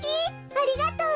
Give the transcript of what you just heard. ありがとう！